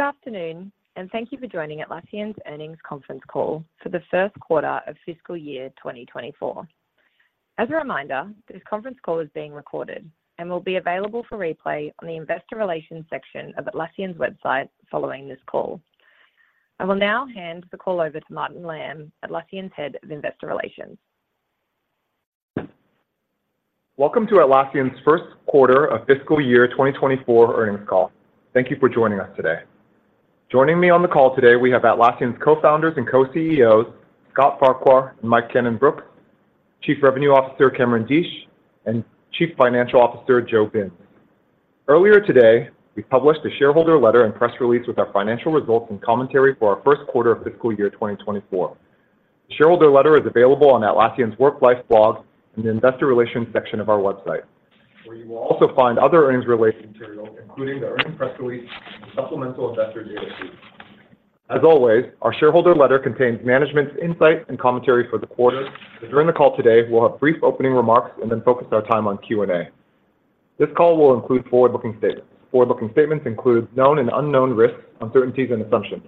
Good afternoon, and thank you for joining Atlassian's earnings conference call for the first quarter of fiscal year 2024. As a reminder, this conference call is being recorded and will be available for replay on the Investor Relations section of Atlassian's website following this call. I will now hand the call over to Martin Lam, Atlassian's Head of Investor Relations. Welcome to Atlassian's first quarter of fiscal year 2024 earnings call. Thank you for joining us today. Joining me on the call today, we have Atlassian's Co-Founders and Co-CEOs, Scott Farquhar and Mike Cannon-Brookes, Chief Revenue Officer, Cameron Deatsch, and Chief Financial Officer, Joe Binz. Earlier today, we published a shareholder letter and press release with our financial results and commentary for our first quarter of fiscal year 2024. The shareholder letter is available on Atlassian's Work Life blog in the Investor Relations section of our website, where you will also find other earnings-related material, including the earnings press release and the supplemental investor data sheet. As always, our shareholder letter contains management's insights and commentary for the quarter. So during the call today, we'll have brief opening remarks and then focus our time on Q&A. This call will include forward-looking statements. Forward-looking statements include known and unknown risks, uncertainties, and assumptions.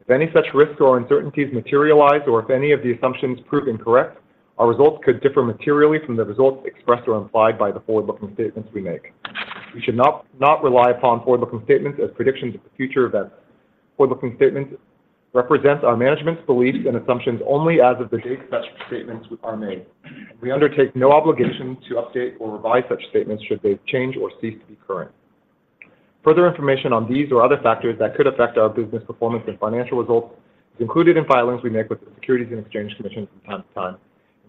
If any such risks or uncertainties materialize, or if any of the assumptions prove incorrect, our results could differ materially from the results expressed or implied by the forward-looking statements we make. We should not rely upon forward-looking statements as predictions of future events. Forward-looking statements represent our management's beliefs and assumptions only as of the date such statements are made. We undertake no obligation to update or revise such statements should they change or cease to be current. Further information on these or other factors that could affect our business performance and financial results is included in filings we make with the Securities and Exchange Commission from time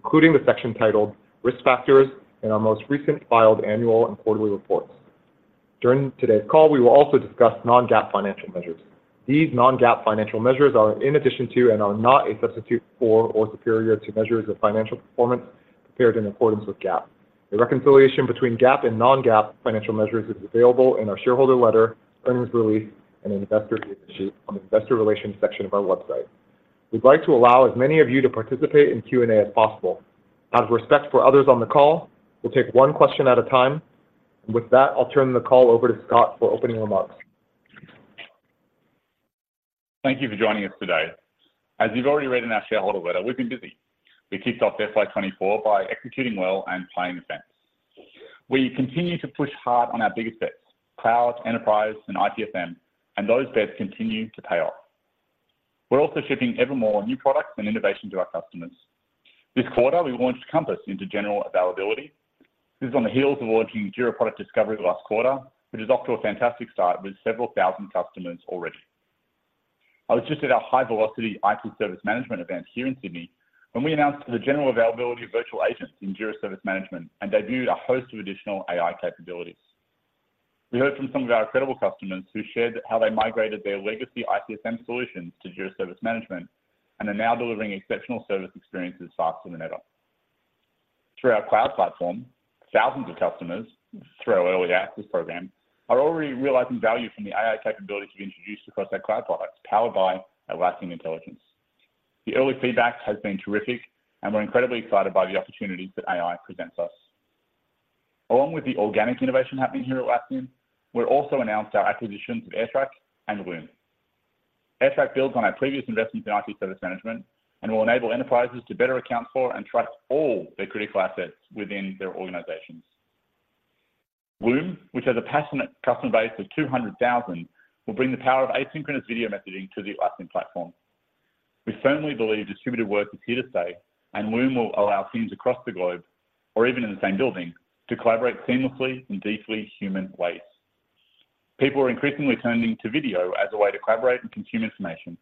to time, including the section titled Risk Factors in our most recent filed annual and quarterly reports. During today's call, we will also discuss non-GAAP financial measures. These non-GAAP financial measures are in addition to, and are not a substitute for or superior to, measures of financial performance prepared in accordance with GAAP. A reconciliation between GAAP and non-GAAP financial measures is available in our shareholder letter, earnings release, and investor data sheet on the Investor Relations section of our website. We'd like to allow as many of you to participate in Q&A as possible. Out of respect for others on the call, we'll take one question at a time. With that, I'll turn the call over to Scott for opening remarks. Thank you for joining us today. As you've already read in our shareholder letter, we've been busy. We kicked off FY 2024 by executing well and playing defense. We continue to push hard on our biggest bets, Cloud, Enterprise, and ITSM, and those bets continue to pay off. We're also shipping ever more new products and innovation to our customers. This quarter, we launched Compass into general availability. This is on the heels of launching Jira Product Discovery last quarter, which is off to a fantastic start with several thousand customers already. I was just at our High Velocity IT service management event here in Sydney when we announced the general availability of virtual agents in Jira Service Management, and debuted a host of additional AI capabilities. We heard from some of our incredible customers, who shared how they migrated their legacy ITSM solutions to Jira Service Management and are now delivering exceptional service experiences faster than ever. Through our cloud platform, thousands of customers through our early access program are already realizing value from the AI capabilities we've introduced across our cloud products, powered by Atlassian Intelligence. The early feedback has been terrific, and we're incredibly excited by the opportunities that AI presents us. Along with the organic innovation happening here at Atlassian, we're also announced our acquisitions of AirTrack and Loom. AirTrack builds on our previous investments in IT service management and will enable enterprises to better account for and trust all their critical assets within their organizations. Loom, which has a passionate customer base of 200,000, will bring the power of asynchronous video messaging to the Atlassian platform. We firmly believe distributed work is here to stay, and Loom will allow teams across the globe, or even in the same building, to collaborate seamlessly in deeply human ways. People are increasingly turning to video as a way to collaborate and consume information,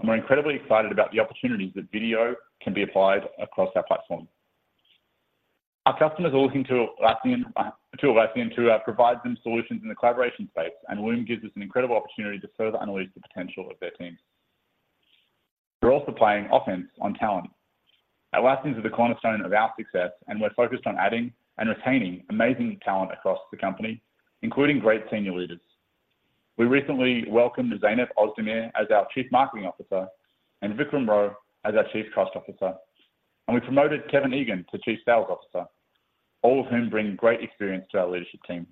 and we're incredibly excited about the opportunities that video can be applied across our platform. Our customers are looking to Atlassian to provide them solutions in the collaboration space, and Loom gives us an incredible opportunity to further unleash the potential of their teams. We're also playing offense on talent. Atlassian is the cornerstone of our success, and we're focused on adding and retaining amazing talent across the company, including great senior leaders. We recently welcomed Zeynep Ozdemir as our Chief Marketing Officer, and Vikram Rao as our Chief Trust Officer, and we promoted Kevin Egan to Chief Sales Officer, all of whom bring great experience to our leadership team.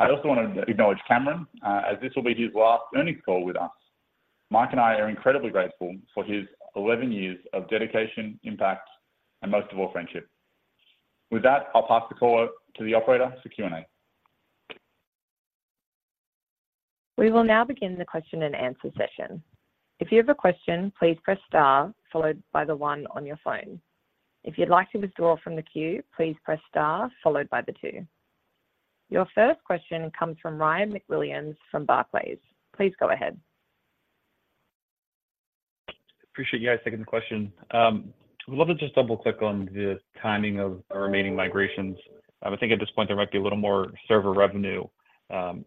I also want to acknowledge Cameron as this will be his last earnings call with us. Mike and I are incredibly grateful for his 11 years of dedication, impact, and most of all, friendship. With that, I'll pass the call to the operator for Q&A. We will now begin the question-and-answer session. If you have a question, please press star followed by the one on your phone. If you'd like to withdraw from the queue, please press star followed by the two. Your first question comes from Ryan MacWilliams from Barclays. Please go ahead. Appreciate you guys taking the question. I would love to just double-click on the timing of the remaining migrations. I would think at this point, there might be a little more Server revenue,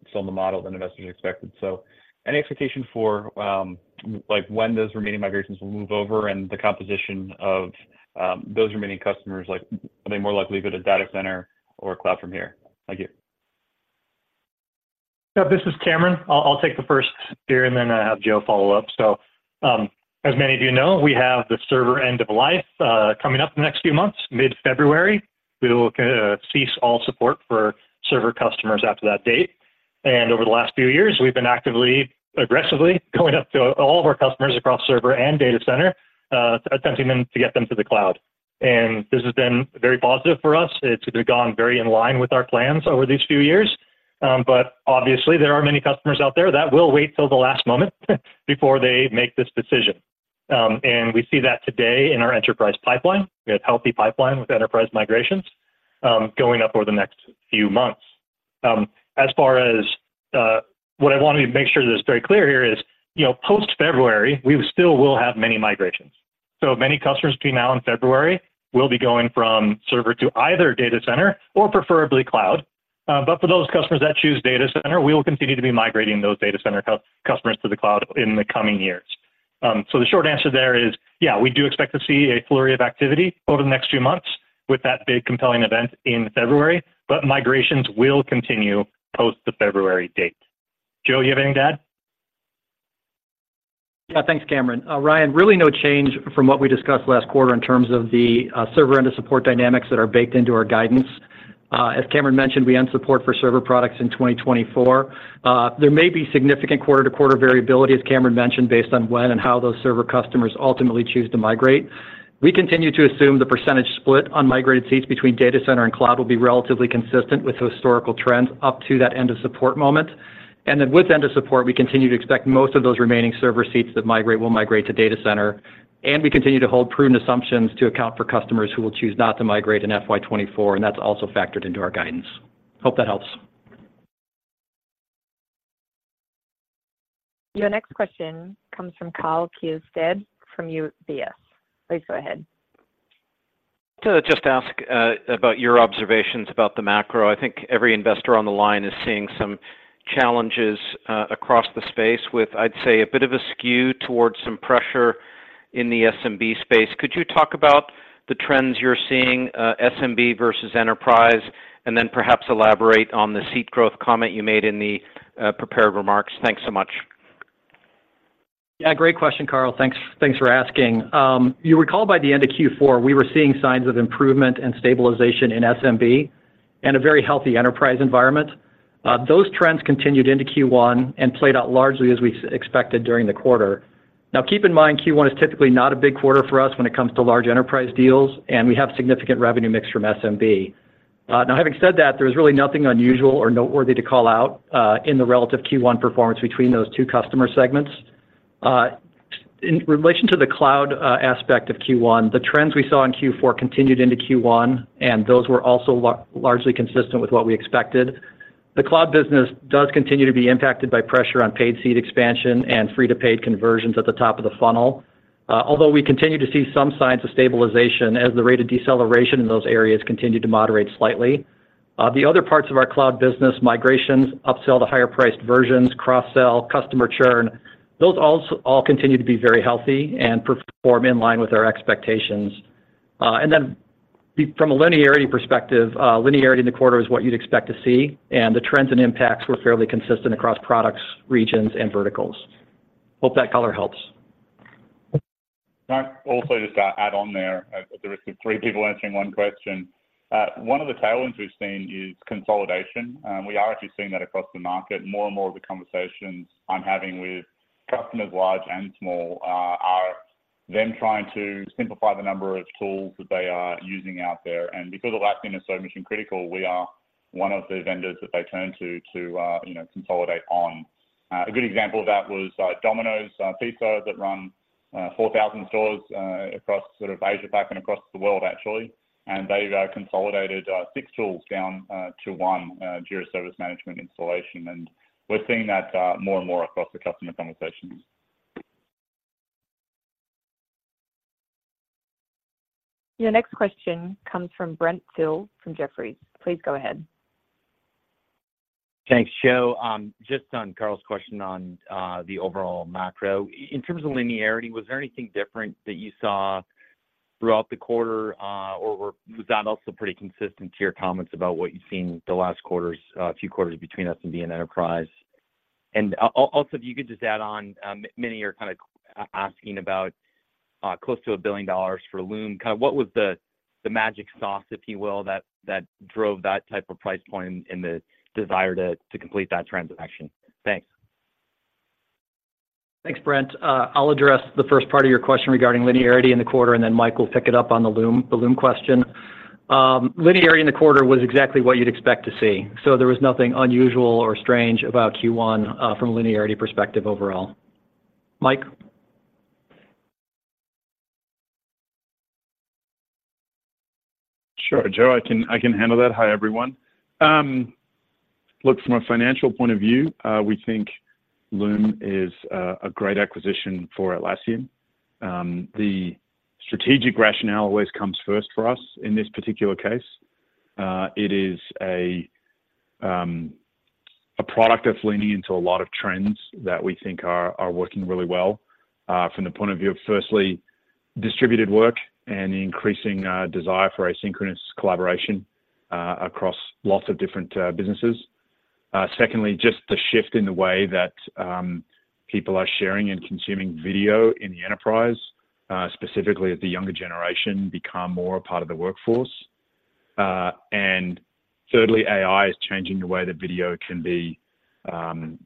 still in the model than investors expected. So any expectation for, like, when those remaining migrations will move over and the composition of, those remaining customers? Like, are they more likely to go to Data Center or Cloud from here? Thank you. Yeah, this is Cameron. I'll take the first here, and then I'll have Joe follow up. So, as many of you know, we have the Server end of life coming up in the next few months, mid-February. We will cease all support for Server customers after that date. Over the last few years, we've been actively, aggressively, going up to all of our customers across Server and Data Center, attempting to get them to the Cloud. This has been very positive for us. It's gone very in line with our plans over these few years. But obviously, there are many customers out there that will wait till the last moment before they make this decision. We see that today in our enterprise pipeline. We have healthy pipeline with enterprise migrations going up over the next few months. As far as what I wanted to make sure that it's very clear here is, you know, post-February, we still will have many migrations. So many customers between now and February will be going from Server to either Data Center or preferably Cloud. But for those customers that choose Data Center, we will continue to be migrating those Data Center customers to the Cloud in the coming years. So the short answer there is, yeah, we do expect to see a flurry of activity over the next few months with that big compelling event in February, but migrations will continue post the February date. Joe, you have anything to add? Yeah, thanks, Cameron. Ryan, really no change from what we discussed last quarter in terms of the, Server end of support dynamics that are baked into our guidance. As Cameron mentioned, we end support for Server products in 2024. There may be significant quarter-to-quarter variability, as Cameron mentioned, based on when and how those Server customers ultimately choose to migrate. We continue to assume the percentage split on migrated seats between Data Center and Cloud will be relatively consistent with historical trends up to that end of support moment. And then with end of support, we continue to expect most of those remaining Server seats that migrate will migrate to Data Center, and we continue to hold prudent assumptions to account for customers who will choose not to migrate in FY 2024, and that's also factored into our guidance. Hope that helps. Your next question comes from Karl Keirstead from UBS. Please go ahead. To just ask about your observations about the macro. I think every investor on the line is seeing some challenges across the space with, I'd say, a bit of a skew towards some pressure in the SMB space. Could you talk about the trends you're seeing, SMB versus enterprise, and then perhaps elaborate on the seat growth comment you made in the prepared remarks? Thanks so much. Yeah, great question, Karl. Thanks, thanks for asking. You recall by the end of Q4, we were seeing signs of improvement and stabilization in SMB and a very healthy enterprise environment. Those trends continued into Q1 and played out largely as we expected during the quarter. Now, keep in mind, Q1 is typically not a big quarter for us when it comes to large enterprise deals, and we have significant revenue mix from SMB. Now, having said that, there is really nothing unusual or noteworthy to call out in the relative Q1 performance between those two customer segments. In relation to the cloud aspect of Q1, the trends we saw in Q4 continued into Q1, and those were also largely consistent with what we expected. The Cloud business does continue to be impacted by pressure on paid seat expansion and free-to-paid conversions at the top of the funnel. Although we continue to see some signs of stabilization as the rate of deceleration in those areas continue to moderate slightly. The other parts of our Cloud business, migrations, upsell to higher-priced versions, cross-sell, customer churn, those also all continue to be very healthy and perform in line with our expectations. And then, from a linearity perspective, linearity in the quarter is what you'd expect to see, and the trends and impacts were fairly consistent across products, regions, and verticals. Hope that color helps. Can I also just add on there, at the risk of three people answering one question? One of the tailwinds we've seen is consolidation, and we are actually seeing that across the market. More and more of the conversations I'm having with customers, large and small, are them trying to simplify the number of tools that they are using out there. And because Atlassian is so mission-critical, we are one of the vendors that they turn to, you know, consolidate on. A good example of that was Domino's Pizza that run 4,000 stores across sort of Asia-Pac and across the world, actually. And they've consolidated six tools down to one Jira Service Management installation, and we're seeing that more and more across the customer conversations. Your next question comes from Brent Thill, from Jefferies. Please go ahead. Thanks, Joe. Just on Karl's question on the overall macro. In terms of linearity, was there anything different that you saw throughout the quarter, or was that also pretty consistent to your comments about what you've seen the last few quarters between us and the enterprise? And also, if you could just add on, many are asking about close to $1 billion for Loom. Kind of what was the magic sauce, if you will, that drove that type of price point and the desire to complete that transaction? Thanks. Thanks, Brent. I'll address the first part of your question regarding linearity in the quarter, and then Mike will pick it up on the Loom, the Loom question. Linearity in the quarter was exactly what you'd expect to see. So there was nothing unusual or strange about Q1, from a linearity perspective overall. Mike? Sure, Joe, I can handle that. Hi, everyone. Look, from a financial point of view, we think Loom is a great acquisition for Atlassian. The strategic rationale always comes first for us in this particular case. It is a product that's leaning into a lot of trends that we think are working really well, from the point of view of, firstly, distributed work and the increasing desire for asynchronous collaboration, across lots of different businesses. Secondly, just the shift in the way that people are sharing and consuming video in the enterprise, specifically as the younger generation become more a part of the workforce. And thirdly, AI is changing the way that video can be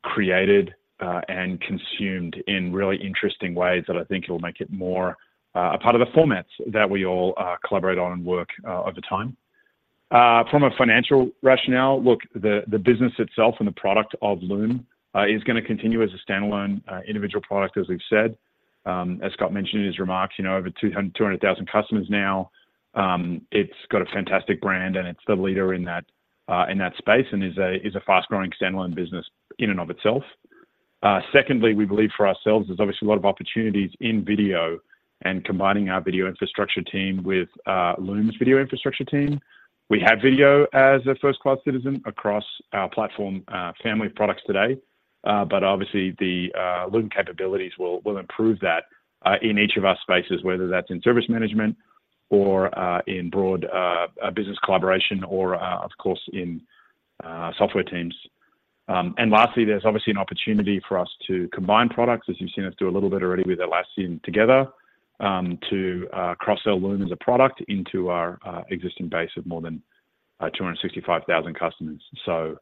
created and consumed in really interesting ways that I think it will make it more a part of the formats that we all collaborate on and work over time. From a financial rationale, look, the business itself and the product of Loom is gonna continue as a standalone individual product as we've said. As Scott mentioned in his remarks, you know, over 200,000 customers now. It's got a fantastic brand, and it's the leader in that space, and is a fast-growing standalone business in and of itself. Secondly, we believe for ourselves, there's obviously a lot of opportunities in video and combining our video infrastructure team with Loom's video infrastructure team. We have video as a first-class citizen across our platform family of products today, but obviously, the Loom capabilities will improve that in each of our spaces, whether that's in service management or in broad business collaboration or of course, in software teams. And lastly, there's obviously an opportunity for us to combine products, as you've seen us do a little bit already with Atlassian Together, to cross-sell Loom as a product into our existing base of more than 265,000 customers. So,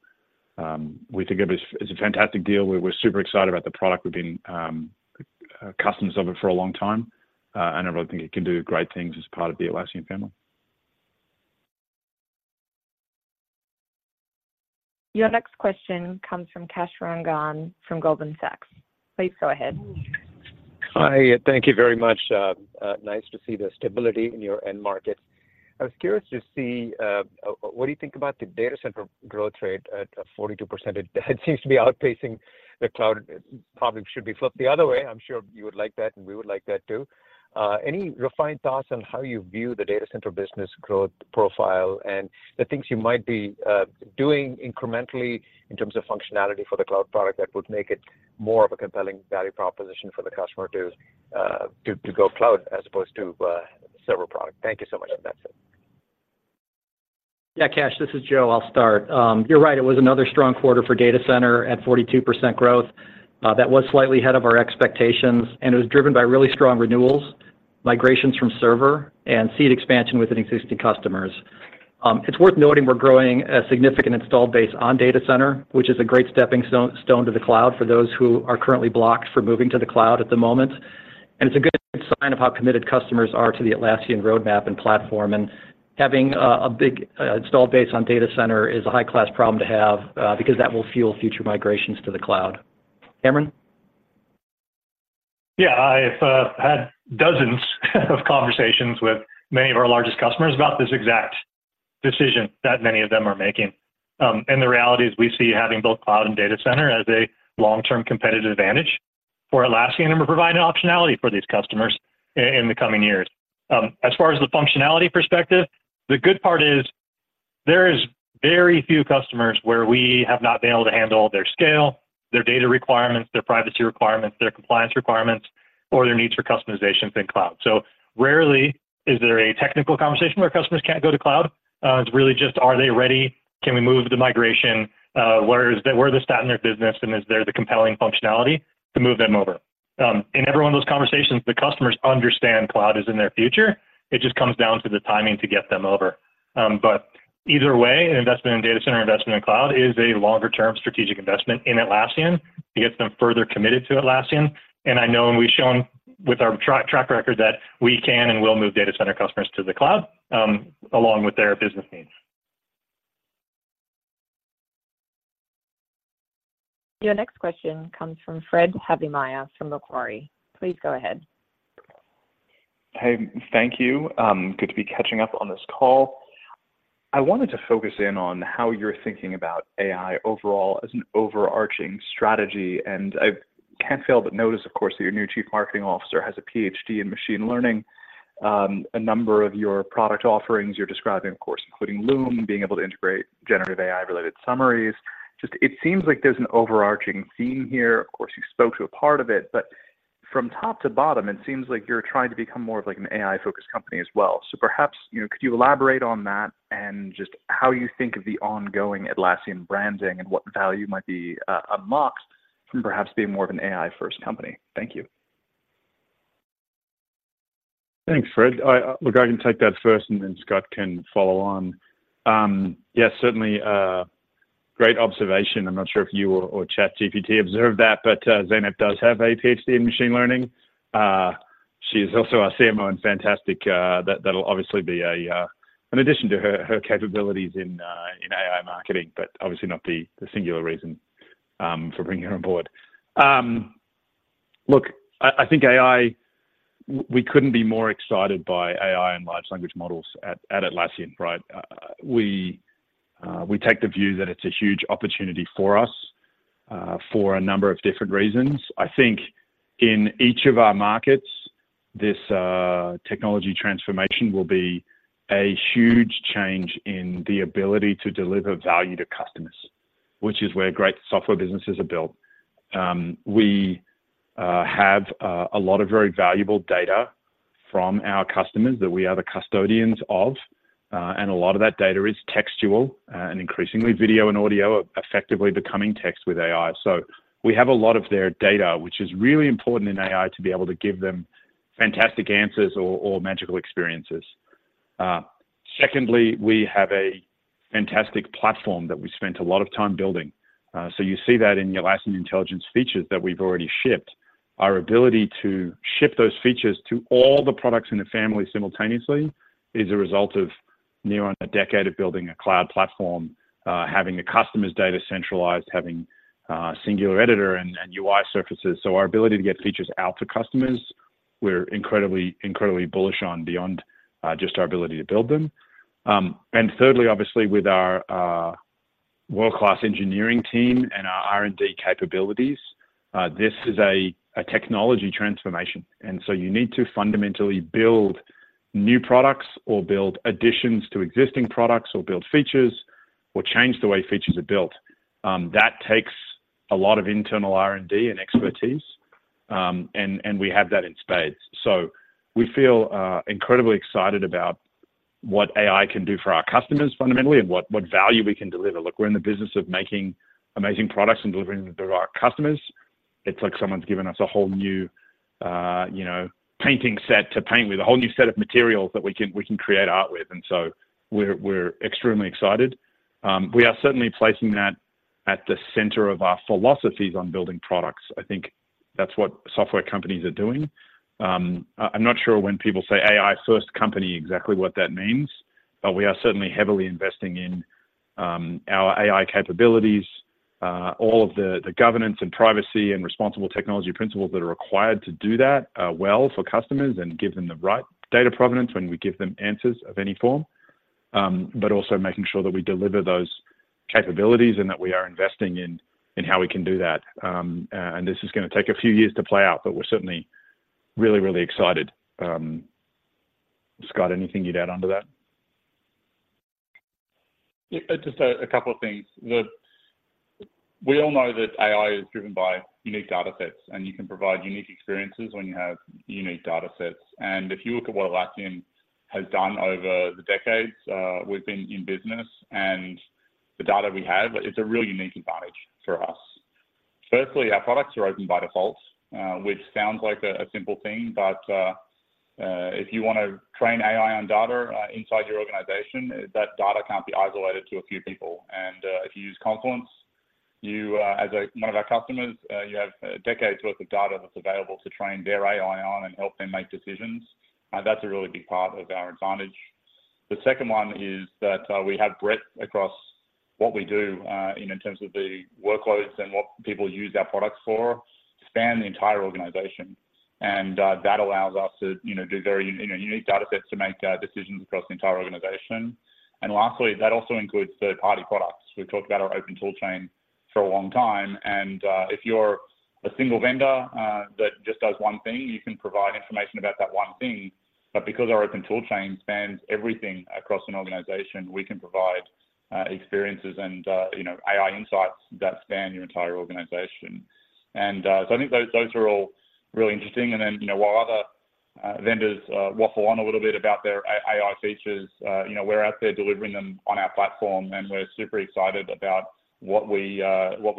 we think it is, it's a fantastic deal. We're super excited about the product. We've been customers of it for a long time, and I really think it can do great things as part of the Atlassian family. Your next question comes from Kash Rangan from Goldman Sachs. Please go ahead. Hi, thank you very much. Nice to see the stability in your end markets. I was curious to see what do you think about the Data Center growth rate at 42%? It seems to be outpacing the Cloud. Probably should be flipped the other way. I'm sure you would like that, and we would like that too. Any refined thoughts on how you view the Data Center business growth profile and the things you might be doing incrementally in terms of functionality for the Cloud product that would make it more of a compelling value proposition for the customer to go Cloud as opposed to Server product? Thank you so much, and that's it. Yeah, Kash, this is Joe. I'll start. You're right, it was another strong quarter for Data Center at 42% growth. That was slightly ahead of our expectations, and it was driven by really strong renewals, migrations from Server, and seat expansion within existing customers. It's worth noting we're growing a significant installed base on Data Center, which is a great stepping stone to the Cloud for those who are currently blocked from moving to the Cloud at the moment. It's a good sign of how committed customers are to the Atlassian roadmap and platform, and having a big installed base on Data Center is a high-class problem to have, because that will fuel future migrations to the Cloud. Cameron? Yeah, I've had dozens of conversations with many of our largest customers about this exact decision that many of them are making. The reality is we see having both cloud and Data Center as a long-term competitive advantage for Atlassian, and we're providing optionality for these customers in the coming years. As far as the functionality perspective, the good part is there is very few customers where we have not been able to handle their scale, their data requirements, their privacy requirements, their compliance requirements, or their needs for customizations in cloud. So rarely is there a technical conversation where customers can't go to cloud. It's really just, are they ready? Can we move the migration? Where are they at in their business, and is there the compelling functionality to move them over? In every one of those conversations, the customers understand Cloud is in their future. It just comes down to the timing to get them over. But either way, an investment in Data Center, investment in Cloud is a longer-term strategic investment in Atlassian. It gets them further committed to Atlassian, and I know, and we've shown with our track record that we can and will move Data Center customers to the Cloud, along with their business needs. Your next question comes from Fred Havemeyer from Macquarie. Please go ahead. Hey, thank you. Good to be catching up on this call. I wanted to focus in on how you're thinking about AI overall as an overarching strategy, and I can't fail but notice, of course, that your new Chief Marketing Officer has a PhD in machine learning. A number of your product offerings you're describing, of course, including Loom, being able to integrate generative AI-related summaries. Just it seems like there's an overarching theme here. Of course, you spoke to a part of it, but from top to bottom, it seems like you're trying to become more of like an AI-focused company as well. So perhaps, you know, could you elaborate on that and just how you think of the ongoing Atlassian branding and what value might be unlocked from perhaps being more of an AI-first company? Thank you. Thanks, Fred. I look, I can take that first, and then Scott can follow on. Yes, certainly, great observation. I'm not sure if you or, or ChatGPT observed that, but, Zeynep does have a Ph.D. in machine learning. She's also our CMO and fantastic. That, that'll obviously be a, an addition to her, her capabilities in, in AI marketing, but obviously not the, the singular reason, for bringing her on board. Look, I, I think AI, we couldn't be more excited by AI and large language models at, at Atlassian, right? We, we take the view that it's a huge opportunity for us, for a number of different reasons. I think in each of our markets, this technology transformation will be a huge change in the ability to deliver value to customers, which is where great software businesses are built. We have a lot of very valuable data from our customers that we are the custodians of, and a lot of that data is textual. And increasingly, video and audio are effectively becoming text with AI. So we have a lot of their data, which is really important in AI, to be able to give them fantastic answers or magical experiences. Secondly, we have a fantastic platform that we spent a lot of time building. So you see that in Atlassian Intelligence features that we've already shipped. Our ability to ship those features to all the products in the family simultaneously is a result of near on a decade of building a cloud platform, having the customer's data centralized, having singular editor and UI surfaces. So our ability to get features out to customers, we're incredibly, incredibly bullish on beyond just our ability to build them. And thirdly, obviously, with our world-class engineering team and our R&D capabilities, this is a technology transformation, and so you need to fundamentally build new products or build additions to existing products, or build features, or change the way features are built. That takes a lot of internal R&D and expertise, and we have that in spades. So we feel incredibly excited about what AI can do for our customers fundamentally, and what value we can deliver. Look, we're in the business of making amazing products and delivering them to our customers. It's like someone's given us a whole new, you know, painting set to paint with, a whole new set of materials that we can, we can create art with, and so we're, we're extremely excited. We are certainly placing that at the center of our philosophies on building products. I think that's what software companies are doing. I, I'm not sure when people say AI first company, exactly what that means, but we are certainly heavily investing in, our AI capabilities, all of the, the governance and privacy, and responsible technology principles that are required to do that, well for customers and give them the right data provenance when we give them answers of any form. But also making sure that we deliver those capabilities and that we are investing in how we can do that. And this is gonna take a few years to play out, but we're certainly really, really excited. Scott, anything you'd add onto that? Yeah, just a couple of things. Look, we all know that AI is driven by unique data sets, and you can provide unique experiences when you have unique data sets. And if you look at what Atlassian has done over the decades, we've been in business and the data we have, it's a really unique advantage for us. Firstly, our products are open by default, which sounds like a simple thing, but if you want to train AI on data inside your organization, that data can't be isolated to a few people. And if you use Confluence, you as one of our customers, you have a decades worth of data that's available to train their AI on and help them make decisions. That's a really big part of our advantage. The second one is that, we have breadth across what we do, in terms of the workloads and what people use our products for, span the entire organization. And, that allows us to, you know, do very, you know, unique data sets to make, decisions across the entire organization. And lastly, that also includes third-party products. We've talked about our open tool chain for a long time, and, if you're a single vendor, that just does one thing, you can provide information about that one thing. But because our open tool chain spans everything across an organization, we can provide, experiences and, you know, AI insights that span your entire organization. And, so I think those, those are all really interesting. And then, you know, while other vendors waffle on a little bit about their AI features, you know, we're out there delivering them on our platform, and we're super excited about what we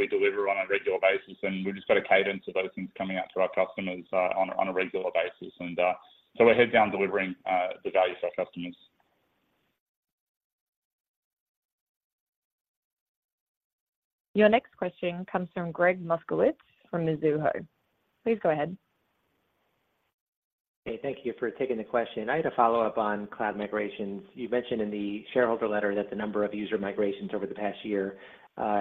deliver on a regular basis. And we've just got a cadence of those things coming out to our customers on a regular basis. And so we're heads down delivering the value to our customers. Your next question comes from Gregg Moskowitz from Mizuho. Please go ahead. Hey, thank you for taking the question. I had a follow-up on cloud migrations. You mentioned in the shareholder letter that the number of user migrations over the past year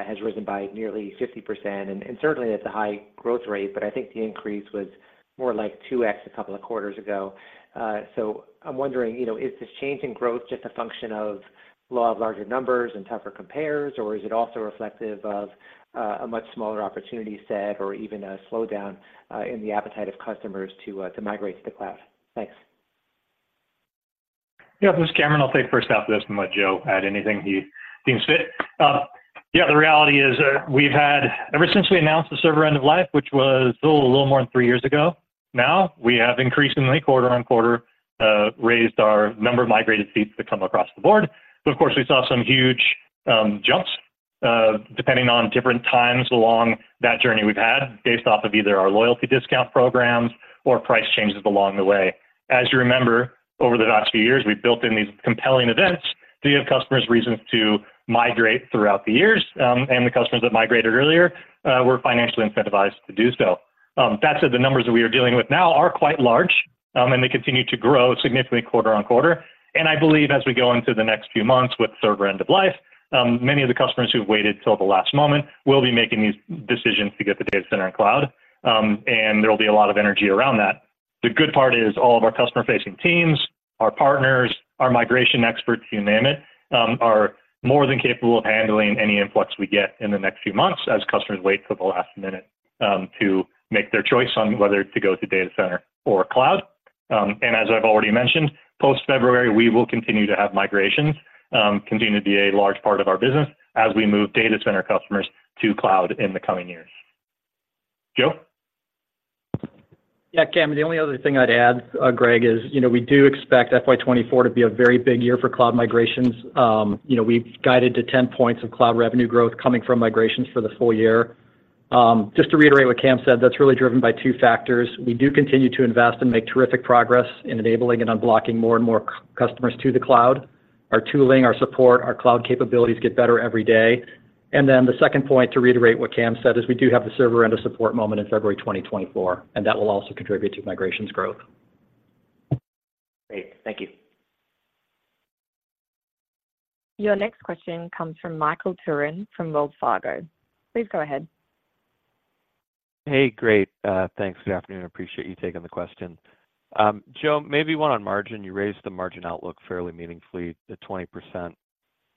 has risen by nearly 50%, and certainly that's a high growth rate, but I think the increase was more like 2x a couple of quarters ago. So I'm wondering, you know, is this change in growth just a function of law of large numbers and tougher compares, or is it also reflective of a much smaller opportunity set, or even a slowdown in the appetite of customers to to migrate to the cloud? Thanks. Yeah, this is Cameron. I'll take first off this and let Joe add anything he deems fit. Yeah, the reality is, we've had. Ever since we announced the Server end of life, which was a little more than three years ago now, we have increasingly, quarter-over-quarter, raised our number of migrated seats that come across the board. But of course, we saw some huge jumps, depending on different times along that journey we've had, based off of either our loyalty discount programs or price changes along the way. As you remember, over the last few years, we've built in these compelling events to give customers reasons to migrate throughout the years, and the customers that migrated earlier were financially incentivized to do so. That said, the numbers that we are dealing with now are quite large, and they continue to grow significantly quarter-over-quarter. I believe as we go into the next few months with Server end of life, many of the customers who've waited till the last moment will be making these decisions to get the Data Center and Cloud, and there will be a lot of energy around that. The good part is all of our customer-facing teams, our partners, our migration experts, you name it, are more than capable of handling any influx we get in the next few months as customers wait till the last minute, to make their choice on whether to go to Data Center or Cloud. As I've already mentioned, post-February, we will continue to have migrations, continue to be a large part of our business as we move Data Center customers to Cloud in the coming years. Joe? Yeah, Cam, the only other thing I'd add, Gregg, is, you know, we do expect FY 2024 to be a very big year for cloud migrations. You know, we've guided to 10 points of cloud revenue growth coming from migrations for the full year. Just to reiterate what Cam said, that's really driven by two factors. We do continue to invest and make terrific progress in enabling and unblocking more and more customers to the cloud. Our tooling, our support, our cloud capabilities get better every day. And then the second point, to reiterate what Cam said, is we do have the Server end-of-support moment in February 2024, and that will also contribute to migrations growth. Great. Thank you. Your next question comes from Michael Turrin from Wells Fargo. Please go ahead. Hey, great. Thanks. Good afternoon, I appreciate you taking the question. Joe, maybe one on margin. You raised the margin outlook fairly meaningfully. The 20%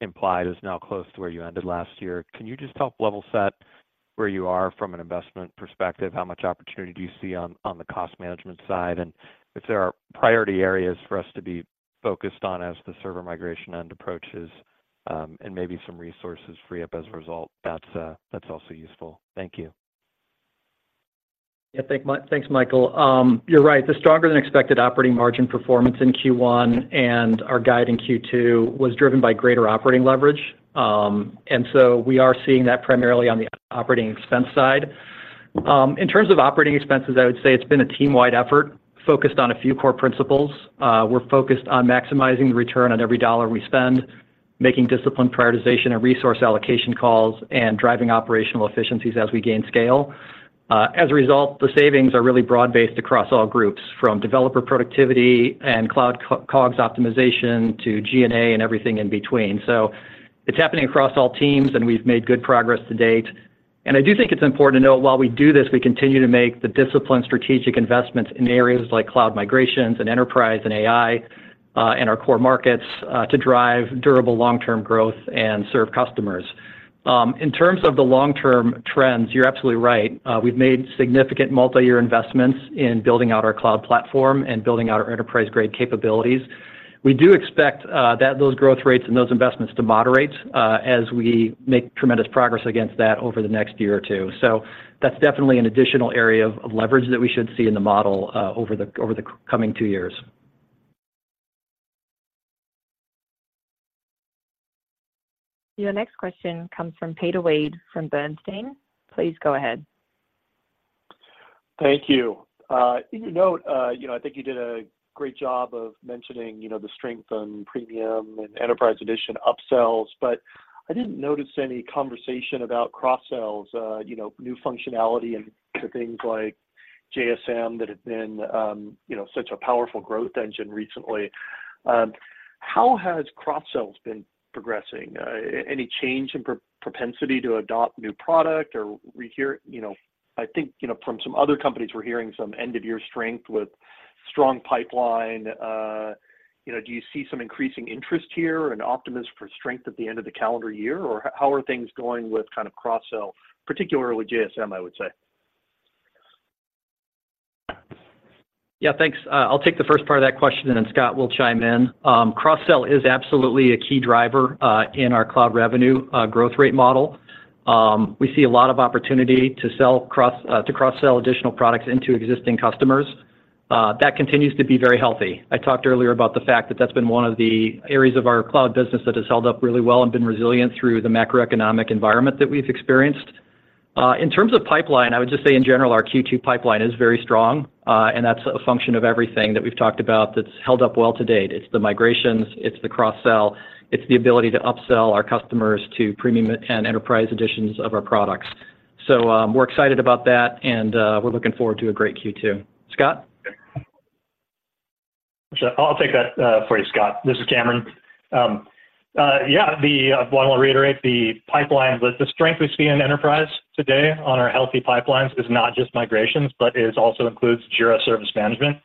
implied is now close to where you ended last year. Can you just help level set where you are from an investment perspective? How much opportunity do you see on, on the cost management side, and if there are priority areas for us to be focused on as the Server migration end approaches, and maybe some resources free up as a result, that's, that's also useful. Thank you. Thanks, Michael. You're right. The stronger-than-expected operating margin performance in Q1 and our guide in Q2 was driven by greater operating leverage. And so we are seeing that primarily on the operating expense side. In terms of operating expenses, I would say it's been a team-wide effort focused on a few core principles. We're focused on maximizing the return on every dollar we spend, making disciplined prioritization and resource allocation calls, and driving operational efficiencies as we gain scale. As a result, the savings are really broad-based across all groups, from developer productivity and cloud COGS optimization to G&A and everything in between. So it's happening across all teams, and we've made good progress to date. I do think it's important to note, while we do this, we continue to make the disciplined strategic investments in areas like cloud migrations and enterprise and AI, in our core markets, to drive durable long-term growth and serve customers. In terms of the long-term trends, you're absolutely right. We've made significant multi-year investments in building out our cloud platform and building out our enterprise-grade capabilities. We do expect that those growth rates and those investments to moderate, as we make tremendous progress against that over the next year or two. So that's definitely an additional area of leverage that we should see in the model, over the coming two years. Your next question comes from Peter Weed from Bernstein. Please go ahead. Thank you. In your note, you know, I think you did a great job of mentioning, you know, the strength on premium and enterprise edition upsells, but I didn't notice any conversation about cross-sells, you know, new functionality and to things like JSM that have been, you know, such a powerful growth engine recently. How has cross-sells been progressing? Any change in propensity to adopt new product or you know, I think, you know, from some other companies, we're hearing some end-of-year strength with strong pipeline. You know, do you see some increasing interest here and optimism for strength at the end of the calendar year, or how are things going with kind of cross-sell, particularly JSM, I would say? Yeah, thanks. I'll take the first part of that question, and then Scott will chime in. Cross-sell is absolutely a key driver in our cloud revenue growth rate model. We see a lot of opportunity to cross-sell additional products into existing customers. That continues to be very healthy. I talked earlier about the fact that that's been one of the areas of our cloud business that has held up really well and been resilient through the macroeconomic environment that we've experienced. In terms of pipeline, I would just say, in general, our Q2 pipeline is very strong, and that's a function of everything that we've talked about that's held up well to date. It's the migrations, it's the cross-sell, it's the ability to upsell our customers to premium and enterprise editions of our products. We're excited about that, and we're looking forward to a great Q2. Scott? I'll take that for you, Scott. This is Cameron. Yeah, I want to reiterate the pipeline. The strength we see in enterprise today on our healthy pipelines is not just migrations, but it also includes Jira Service Management.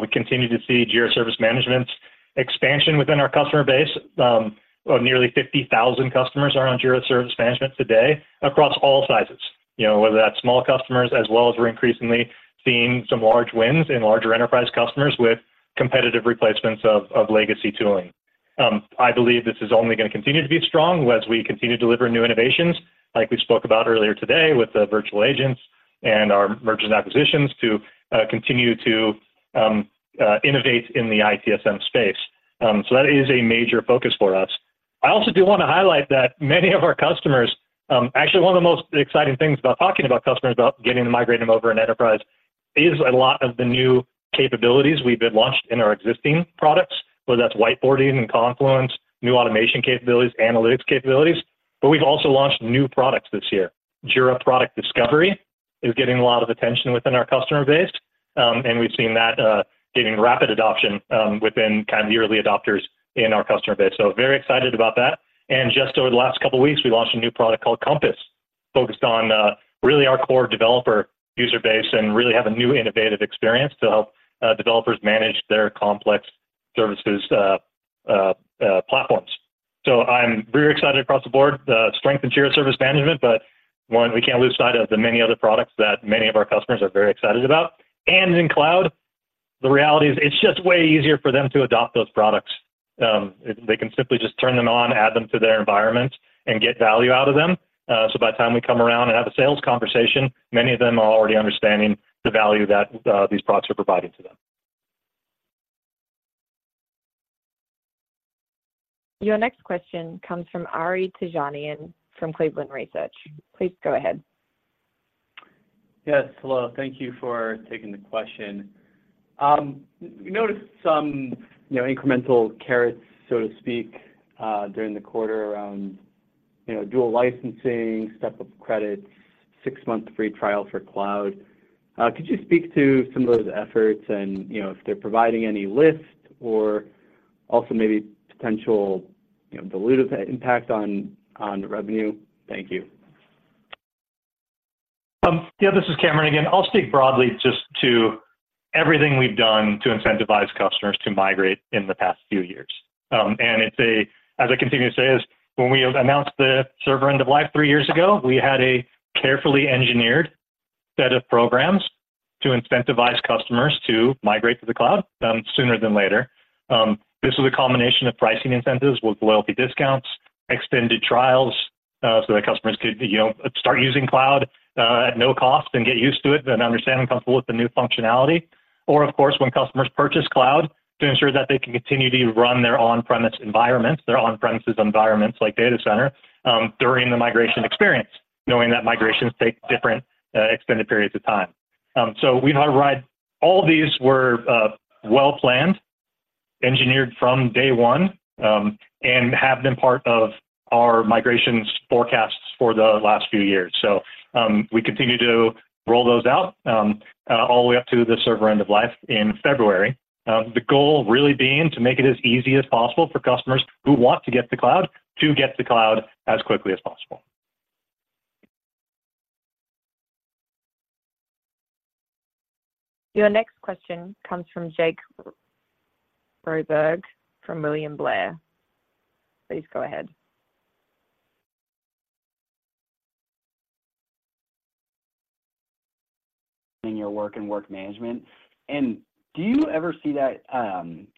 We continue to see Jira Service Management's expansion within our customer base. Well, nearly 50,000 customers are on Jira Service Management today across all sizes. You know, whether that's small customers, as well as we're increasingly seeing some large wins in larger enterprise customers with competitive replacements of legacy tooling. I believe this is only gonna continue to be strong as we continue delivering new innovations like we spoke about earlier today with the virtual agents and our mergers and acquisitions to continue to innovate in the ITSM space. So that is a major focus for us. I also do want to highlight that many of our customers, actually, one of the most exciting things about talking about customers, about getting to migrate them over in enterprise, is a lot of the new capabilities we've been launched in our existing products, whether that's whiteboarding and Confluence, new automation capabilities, analytics capabilities, but we've also launched new products this year. Jira Product Discovery is getting a lot of attention within our customer base, and we've seen that, getting rapid adoption, within kind of the early adopters in our customer base. So very excited about that. And just over the last couple of weeks, we launched a new product called Compass, focused on, really our core developer user base and really have a new, innovative experience to help, developers manage their complex services, platforms. So I'm very excited across the board, the strength in Jira Service Management, but, one, we can't lose sight of the many other products that many of our customers are very excited about. The reality is, it's just way easier for them to adopt those products. They can simply just turn them on, add them to their environment, and get value out of them. So by the time we come around and have a sales conversation, many of them are already understanding the value that these products are providing to them. Your next question comes from Ari Terjanian from Cleveland Research. Please go ahead. Yes, hello. Thank you for taking the question. We noticed some, you know, incremental carrots, so to speak, during the quarter around, you know, dual licensing, step-up credits, six-month free trial for Cloud. Could you speak to some of those efforts and, you know, if they're providing any lift or also maybe potential, you know, dilutive impact on, on the revenue? Thank you. Yeah, this is Cameron again. I'll speak broadly just to everything we've done to incentivize customers to migrate in the past few years. And it's a, as I continue to say, is when we announced the Server end of life three years ago, we had a carefully engineered set of programs to incentivize customers to migrate to the Cloud, sooner than later. This was a combination of pricing incentives with loyalty discounts, extended trials, so that customers could, you know, start using Cloud, at no cost and get used to it and understand and comfortable with the new functionality. Or, of course, when customers purchase Cloud to ensure that they can continue to run their on-premise environments, their on-premises environments like Data Center, during the migration experience, knowing that migrations take different, extended periods of time. So we've had to ride. All of these were well-planned, engineered from day one, and have been part of our migrations forecasts for the last few years. So, we continue to roll those out, all the way up to the Server end of life in February. The goal really being to make it as easy as possible for customers who want to get to Cloud, to get to Cloud as quickly as possible. Your next question comes from Jake Roberge, from William Blair. Please go ahead. In your work and work management. And do you ever see that,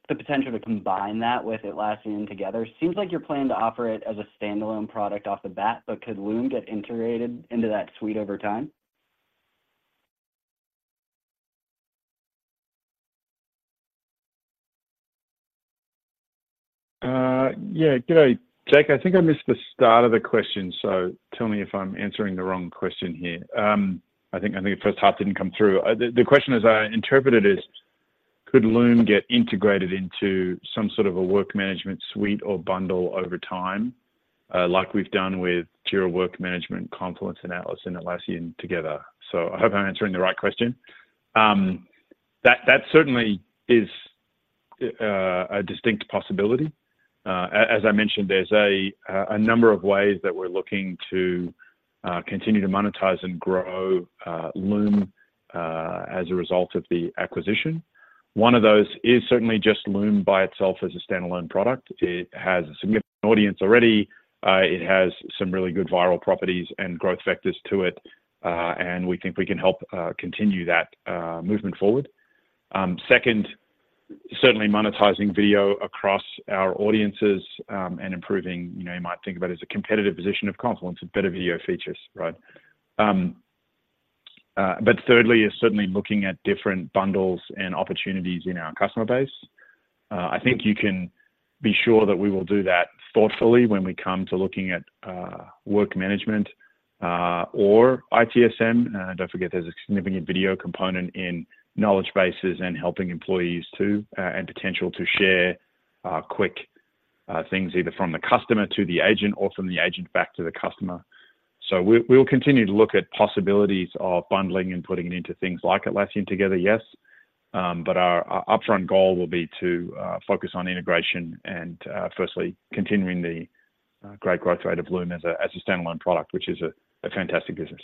the potential to combine that with Atlassian Together? Seems like you're planning to offer it as a standalone product off the bat, but could Loom get integrated into that suite over time? Yeah. Good day, Jake. I think I missed the start of the question, so tell me if I'm answering the wrong question here. I think the first half didn't come through. The question as I interpreted is: Could Loom get integrated into some sort of a work management suite or bundle over time, like we've done with Jira Work Management, Confluence, and Atlas and Atlassian Together? So I hope I'm answering the right question. That certainly is a distinct possibility. As I mentioned, there's a number of ways that we're looking to continue to monetize and grow Loom as a result of the acquisition. One of those is certainly just Loom by itself as a standalone product. It has a significant audience already. It has some really good viral properties and growth vectors to it, and we think we can help continue that movement forward. Second, certainly monetizing video across our audiences, and improving, you know, you might think about it as a competitive position of Confluence and better video features, right? But thirdly, is certainly looking at different bundles and opportunities in our customer base. I think you can be sure that we will do that thoughtfully when we come to looking at work management or ITSM. Don't forget, there's a significant video component in knowledge bases and helping employees too, and potential to share quick things, either from the customer to the agent or from the agent back to the customer. We'll continue to look at possibilities of bundling and putting it into things like Atlassian Together, yes. But our upfront goal will be to focus on integration and firstly, continuing the great growth rate of Loom as a standalone product, which is a fantastic business.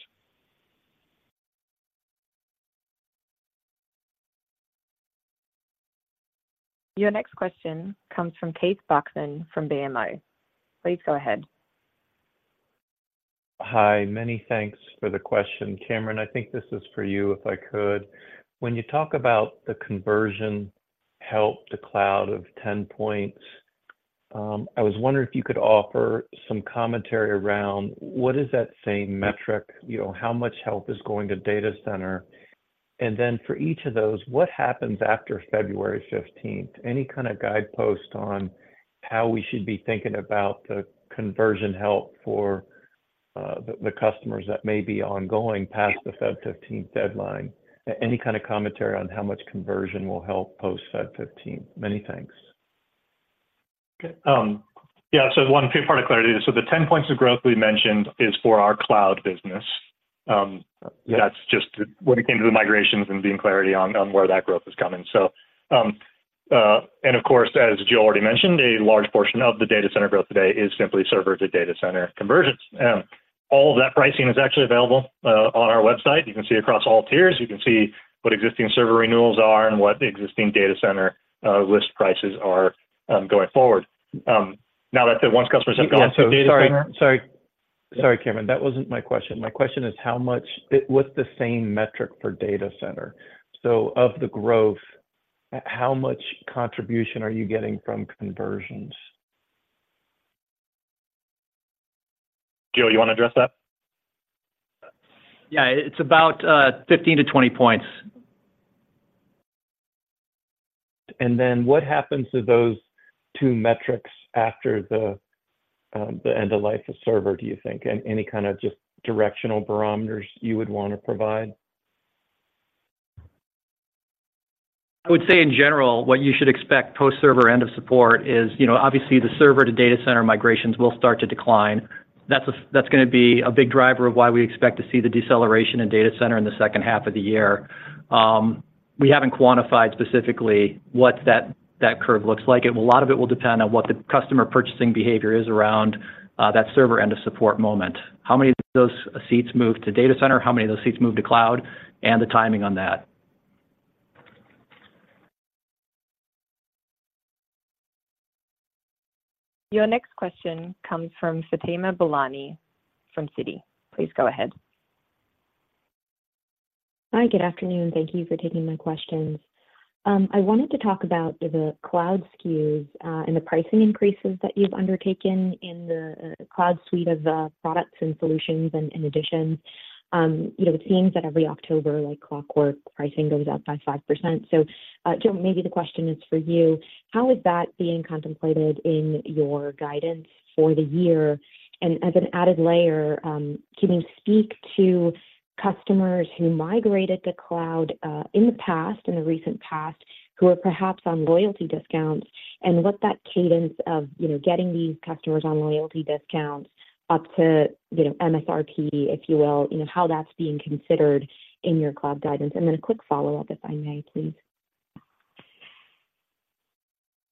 Your next question comes from Keith Bachman from BMO. Please go ahead. Hi, many thanks for the question. Cameron, I think this is for you, if I could. When you talk about the conversion uplift to the Cloud of 10 points, I was wondering if you could offer some commentary around what is that same metric, you know, how much uplift is going to Data Center? And then for each of those, what happens after February 15th? Any kind of guidepost on how we should be thinking about the conversion uplift for the customers that may be ongoing past the February 15th deadline? Any kind of commentary on how much conversion uplift post February 15th? Many thanks. Okay. Yeah, so one quick part of clarity. So the 10 points of growth we mentioned is for our Cloud business. That's just when it came to the migrations and being clarity on, on where that growth is coming. So, and of course, as Jill already mentioned, a large portion of the Data Center growth today is simply Server to Data Center conversions. All of that pricing is actually available on our website. You can see across all tiers, you can see what existing Server renewals are and what the existing Data Center list prices are, going forward. Now that the once customers have gone to Data Center- Sorry, Cameron, that wasn't my question. My question is, how much—it, what's the same metric for Data Center? So of the growth, how much contribution are you getting from conversions? Joe, you wanna address that? Yeah, it's about 15 points-20 points. And then what happens to those two metrics after the end-of-life of Server, do you think? And any kind of just directional barometers you would want to provide? I would say in general, what you should expect post-Server end of support is, you know, obviously, the Server-to-Data Center migrations will start to decline. That's, that's gonna be a big driver of why we expect to see the deceleration in Data Center in the second half of the year. We haven't quantified specifically what that, that curve looks like. A lot of it will depend on what the customer purchasing behavior is around, that Server end-of-support moment. How many of those seats move to Data Center, how many of those seats move to cloud, and the timing on that. Your next question comes from Fatima Boolani from Citi. Please go ahead. Hi, good afternoon, thank you for taking my questions. I wanted to talk about the cloud SKUs, and the pricing increases that you've undertaken in the cloud suite of products and solutions. And in addition, you know, it seems that every October, like clockwork, pricing goes up by 5%. So, Joe, maybe the question is for you, how is that being contemplated in your guidance for the year? And as an added layer, can you speak to customers who migrated to cloud, in the past, in the recent past, who are perhaps on loyalty discounts, and what that cadence of, you know, getting these customers on loyalty discounts up to, you know, MSRP, if you will, you know, how that's being considered in your cloud guidance? And then a quick follow-up, if I may, please.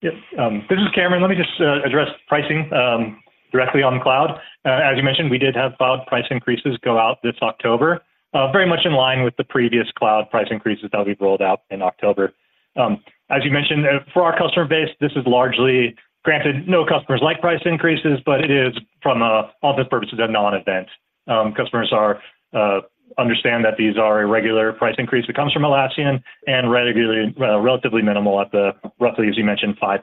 Yep. This is Cameron. Let me just address pricing directly on cloud. As you mentioned, we did have cloud price increases go out this October, very much in line with the previous cloud price increases that we've rolled out in October. As you mentioned, for our customer base, this is largely. Granted, no customers like price increases, but it is, from all those purposes, a non-event. Customers understand that these are a regular price increase that comes from Atlassian and regularly relatively minimal at the, roughly, as you mentioned, 5%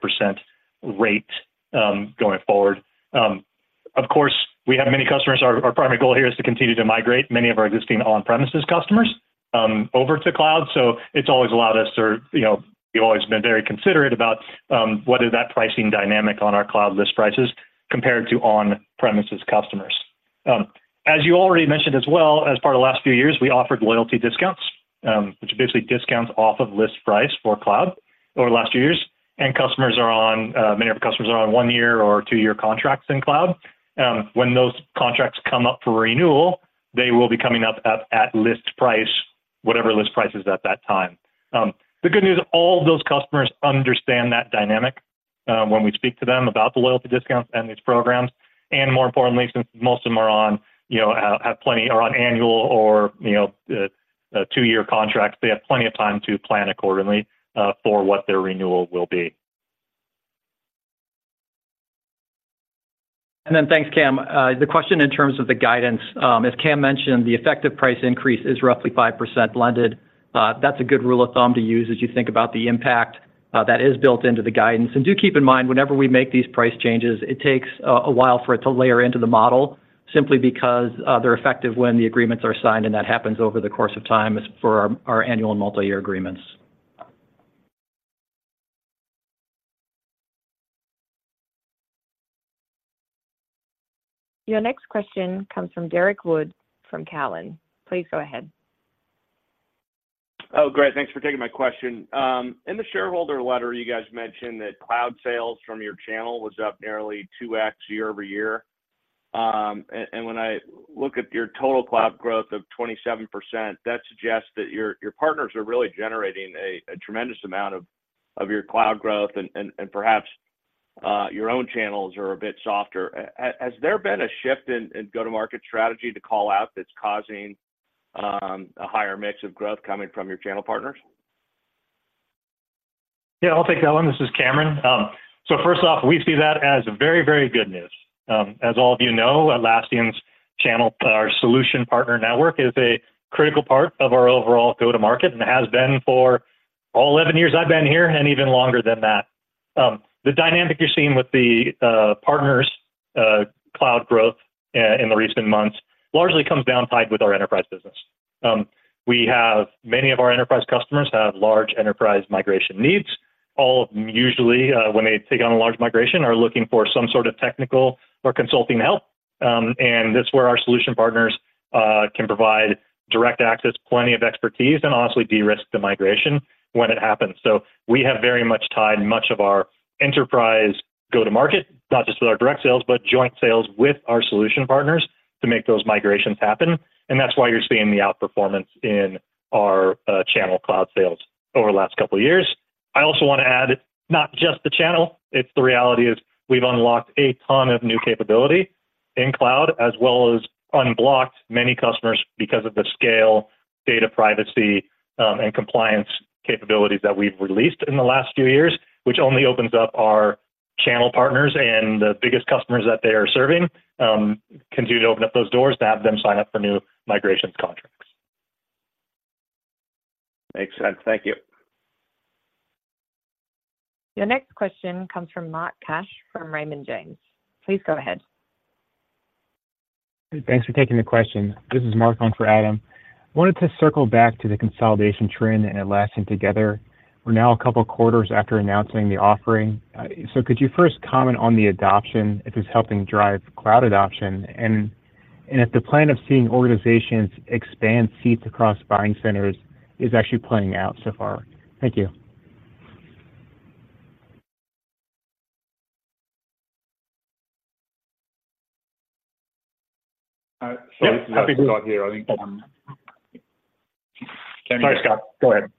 rate, going forward. Of course, we have many customers. Our primary goal here is to continue to migrate many of our existing on-premises customers over to cloud. So it's always allowed us to, you know, we've always been very considerate about what that pricing dynamic is on our cloud list prices compared to on-premises customers. As you already mentioned as well, as part of the last few years, we offered loyalty discounts, which are basically discounts off of list price for cloud over the last few years. And customers are on, many of our customers are on one-year or two-year contracts in cloud. When those contracts come up for renewal, they will be coming up at, at list price, whatever list price is at that time. The good news, all those customers understand that dynamic, when we speak to them about the loyalty discounts and these programs, and more importantly, since most of them are on, you know, are on annual or, you know, two-year contracts, they have plenty of time to plan accordingly, for what their renewal will be. And then thanks, Cam. The question in terms of the guidance, as Cam mentioned, the effective price increase is roughly 5% blended. That's a good rule of thumb to use as you think about the impact, that is built into the guidance. And do keep in mind, whenever we make these price changes, it takes a while for it to layer into the model simply because they're effective when the agreements are signed, and that happens over the course of time as for our annual and multi-year agreements. Your next question comes from Derrick Wood, from Cowen. Please go ahead. Oh, great. Thanks for taking my question. In the shareholder letter, you guys mentioned that cloud sales from your channel was up nearly 2x year-over-year. And when I look at your total cloud growth of 27%, that suggests that your partners are really generating a tremendous amount of your cloud growth, and perhaps your own channels are a bit softer. Has there been a shift in go-to-market strategy to call out that's causing a higher mix of growth coming from your channel partners? Yeah, I'll take that one. This is Cameron. So first off, we see that as very, very good news. As all of you know, Atlassian's channel, our solution partner network, is a critical part of our overall go-to-market, and has been for all 11 years I've been here, and even longer than that. The dynamic you're seeing with the partners' cloud growth in the recent months largely comes down tied with our enterprise business. We have many of our enterprise customers have large enterprise migration needs. All of them, usually, when they take on a large migration, are looking for some sort of technical or consulting help. And that's where our solution partners can provide direct access, plenty of expertise, and honestly, de-risk the migration when it happens. So we have very much tied much of our enterprise go-to-market, not just with our direct sales, but joint sales with our solution partners to make those migrations happen, and that's why you're seeing the outperformance in our channel cloud sales over the last couple of years. I also want to add, not just the channel, it's the reality is we've unlocked a ton of new capability in cloud, as well as unblocked many customers because of the scale, data privacy, and compliance capabilities that we've released in the last few years, which only opens up our channel partners and the biggest customers that they are serving continue to open up those doors to have them sign up for new migrations contracts. Makes sense. Thank you. Your next question comes from Mark Cash from Raymond James. Please go ahead. Thanks for taking the question. This is Mark on for Adam. Wanted to circle back to the consolidation trend and Atlassian Together. We're now a couple quarters after announcing the offering. So could you first comment on the adoption, if it's helping drive cloud adoption, and if the plan of seeing organizations expand seats across buying centers is actually playing out so far? Thank you. This is Scott here, I think- Sorry, Scott, go ahead.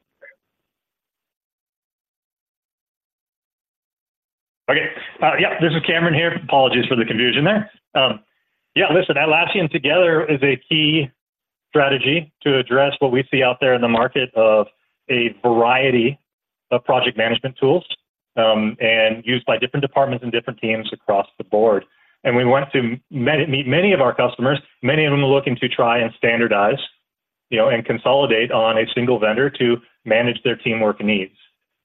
Okay. Yeah, this is Cameron here. Apologies for the confusion there. Yeah, listen, Atlassian Together is a key strategy to address what we see out there in the market of a variety of project management tools, and used by different departments and different teams across the board. Many, many of our customers, many of them are looking to try and standardize, you know, and consolidate on a single vendor to manage their teamwork needs.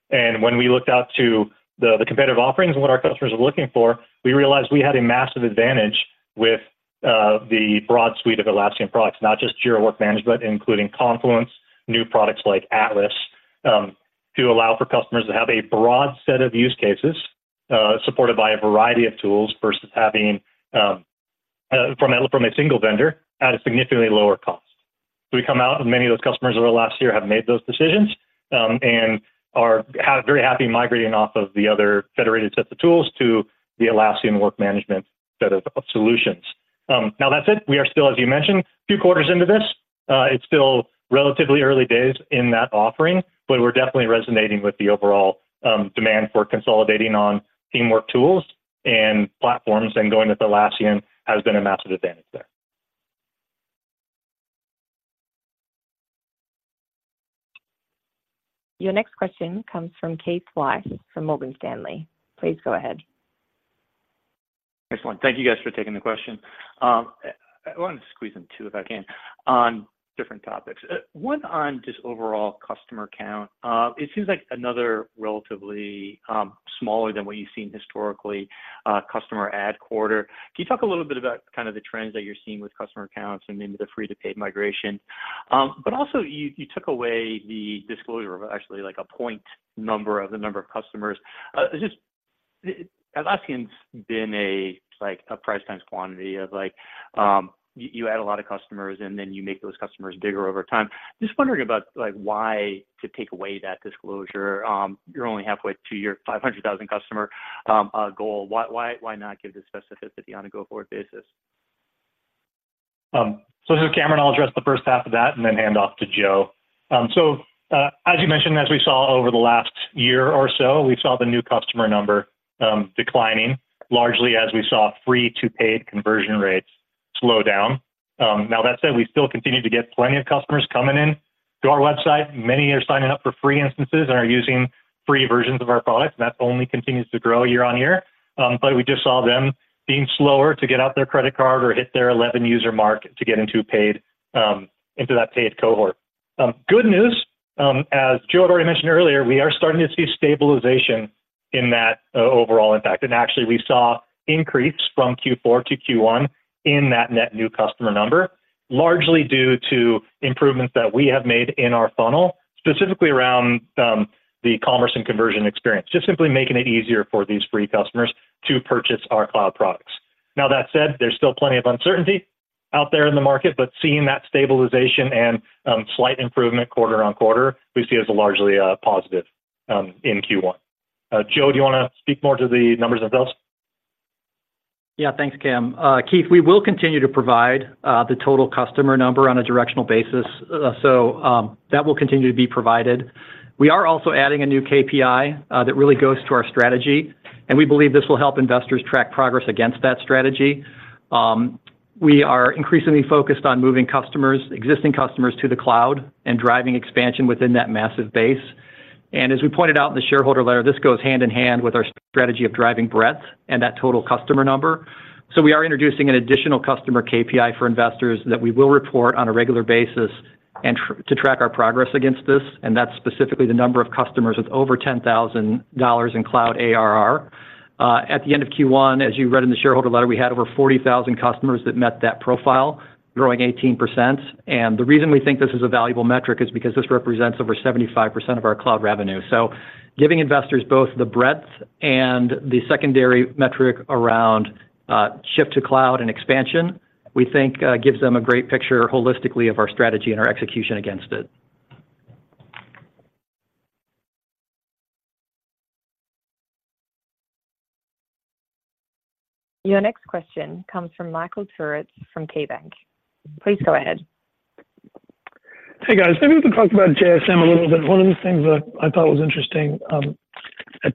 And when we looked out to the competitive offerings and what our customers are looking for, we realized we had a massive advantage with the broad suite of Atlassian products, not just Jira Work Management, including Confluence, new products like Atlas, to allow for customers to have a broad set of use cases supported by a variety of tools versus having from a single vendor at a significantly lower cost. So we come out, and many of those customers over the last year have made those decisions, and are very happy migrating off of the other federated sets of tools to the Atlassian work management set of solutions. Now that said, we are still, as you mentioned, a few quarters into this. It's still relatively early days in that offering, but we're definitely resonating with the overall demand for consolidating on teamwork tools and platforms, and going with Atlassian has been a massive advantage there. Your next question comes from Keith Weiss from Morgan Stanley. Please go ahead. Excellent. Thank you guys for taking the question. I wanted to squeeze in two, if I can, on different topics. One on just overall customer count. It seems like another relatively smaller than what you've seen historically customer add quarter. Can you talk a little bit about kind of the trends that you're seeing with customer accounts and maybe the free to paid migration? But also, you, you took away the disclosure of actually, like, a point number of the number of customers. Just Atlassian's been a, like, a price times quantity of, like, you, you add a lot of customers, and then you make those customers bigger over time. Just wondering about, like, why to take away that disclosure. You're only halfway to your 500,000 customer goal. Why, why, why not give the specificity on a go-forward basis? So this is Cameron. I'll address the first half of that and then hand off to Joe. So, as you mentioned, as we saw over the last year or so, we saw the new customer number declining, largely as we saw free-to-paid conversion rates slow down. Now that said, we still continue to get plenty of customers coming in to our website. Many are signing up for free instances and are using free versions of our products, and that only continues to grow year on year. But we just saw them being slower to get out their credit card or hit their 11-user mark to get into paid, into that paid cohort. Good news, as Joe had already mentioned earlier, we are starting to see stabilization in that, overall impact. Actually, we saw increase from Q4 to Q1 in that net new customer number, largely due to improvements that we have made in our funnel, specifically around the commerce and conversion experience. Just simply making it easier for these free customers to purchase our cloud products. Now, that said, there's still plenty of uncertainty out there in the market, but seeing that stabilization and slight improvement quarter-over-quarter, we see as largely positive in Q1. Joe, do you wanna speak more to the numbers themselves? Yeah. Thanks, Cam. Keith, we will continue to provide the total customer number on a directional basis, so that will continue to be provided. We are also adding a new KPI that really goes to our strategy, and we believe this will help investors track progress against that strategy. We are increasingly focused on moving customers, existing customers to the cloud and driving expansion within that massive base. And as we pointed out in the shareholder letter, this goes hand in hand with our strategy of driving breadth and that total customer number. So we are introducing an additional customer KPI for investors that we will report on a regular basis and to track our progress against this, and that's specifically the number of customers with over $10,000 in cloud ARR. At the end of Q1, as you read in the shareholder letter, we had over 40,000 customers that met that profile, growing 18%. And the reason we think this is a valuable metric is because this represents over 75% of our cloud revenue. So giving investors both the breadth and the secondary metric around shift to cloud and expansion, we think, gives them a great picture holistically of our strategy and our execution against it. Your next question comes from Michael Turits from KeyBanc. Please go ahead. Hey, guys. Maybe we can talk about JSM a little bit. One of the things that I thought was interesting. At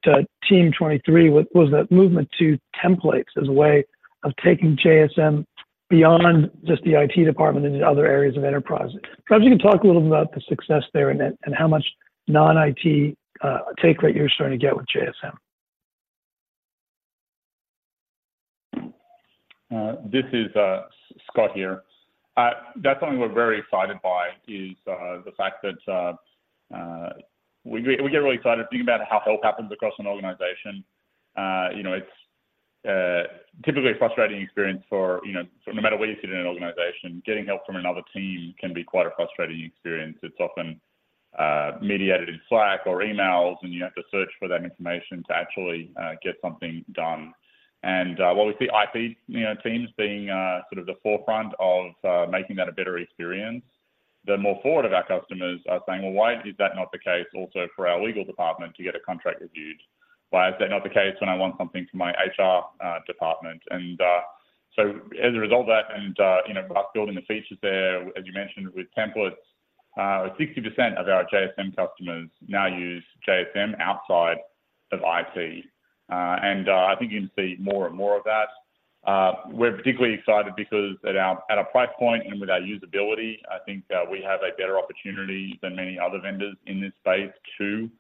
Team '23 was that movement to templates as a way of taking JSM beyond just the IT department into other areas of enterprise. Perhaps you can talk a little bit about the success there and how much non-IT take rate you're starting to get with JSM. This is Scott here. That's something we're very excited by, is the fact that we get really excited thinking about how help happens across an organization. You know, it's typically a frustrating experience for, you know, so no matter where you sit in an organization, getting help from another team can be quite a frustrating experience. It's often mediated in Slack or emails, and you have to search for that information to actually get something done. And while we see IT, you know, teams being sort of the forefront of making that a better experience, the more forward of our customers are saying: "Well, why is that not the case also for our legal department to get a contract reviewed? Why is that not the case when I want something from my HR department?" And so as a result of that and, you know, us building the features there, as you mentioned with templates, 60% of our JSM customers now use JSM outside of IT. And I think you can see more and more of that. We're particularly excited because at our price point and with our usability, I think we have a better opportunity than many other vendors in this space to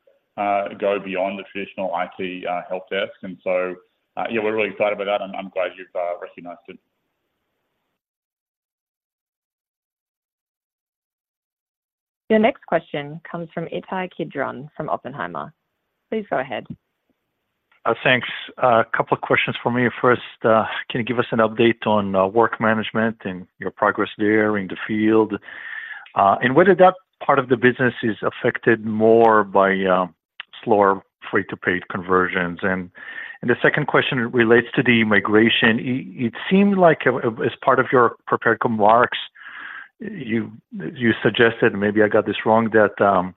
go beyond the traditional IT help desk. And so, yeah, we're really excited about that, and I'm glad you've recognized it. The next question comes from Ittai Kidron from Oppenheimer. Please go ahead. Thanks. A couple of questions for me. First, can you give us an update on work management and your progress there in the field? And whether that part of the business is affected more by slower free-to-paid conversions. And the second question relates to the migration. It seemed like as part of your prepared remarks, you suggested, maybe I got this wrong, that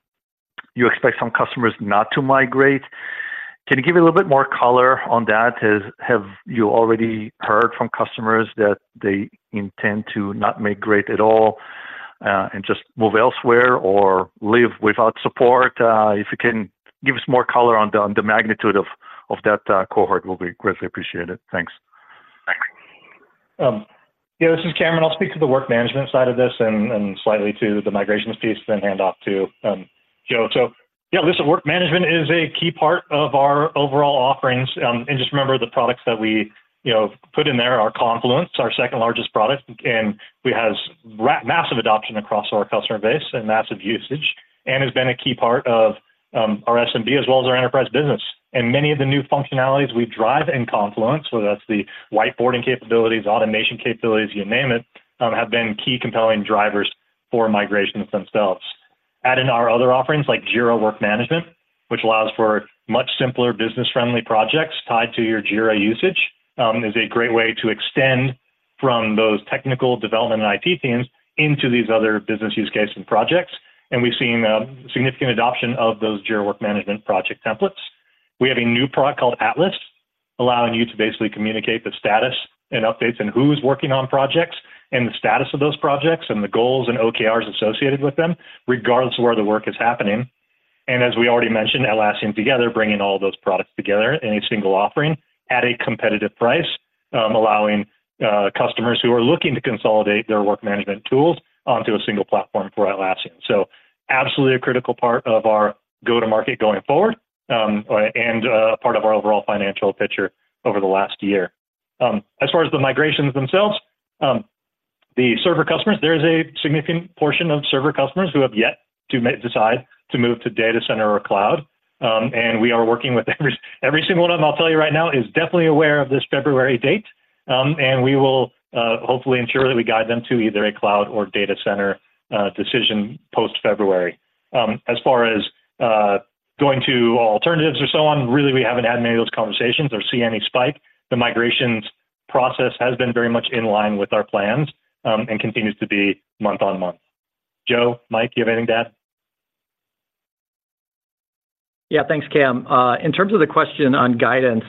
you expect some customers not to migrate. Can you give a little bit more color on that? Have you already heard from customers that they intend to not migrate at all, and just move elsewhere or live without support? If you can give us more color on the magnitude of that cohort will be greatly appreciated. Thanks. Yeah, this is Cameron. I'll speak to the work management side of this and slightly to the migrations piece, then hand off to Joe. So, yeah, listen, work management is a key part of our overall offerings. And just remember, the products that we, you know, put in there are Confluence, our second-largest product, and it has massive adoption across our customer base and massive usage, and has been a key part of our SMB as well as our enterprise business. And many of the new functionalities we drive in Confluence, whether that's the whiteboarding capabilities, automation capabilities, you name it, have been key compelling drivers for migrations themselves. Add in our other offerings, like Jira Work Management, which allows for much simpler business-friendly projects tied to your Jira usage, is a great way to extend from those technical development and IT teams into these other business use cases and projects. And we've seen, significant adoption of those Jira Work Management project templates. We have a new product called Atlas, allowing you to basically communicate the status and updates and who's working on projects, and the status of those projects, and the goals and OKRs associated with them, regardless of where the work is happening. And as we already mentioned, Atlassian Together, bringing all those products together in a single offering at a competitive price, allowing customers who are looking to consolidate their work management tools onto a single platform for Atlassian. So absolutely a critical part of our go-to-market going forward, and part of our overall financial picture over the last year. As far as the migrations themselves, the Server customers, there is a significant portion of Server customers who have yet to decide to move to Data Center or Cloud. And we are working with every single one of them. I'll tell you right now, is definitely aware of this February date. And we will hopefully ensure that we guide them to either a Cloud or Data Center decision post-February. As far as going to alternatives or so on, really, we haven't had many of those conversations or see any spike. The migrations process has been very much in line with our plans, and continues to be month-on-month. Joe, Mike, you have anything to add? Yeah, thanks, Cam. In terms of the question on guidance,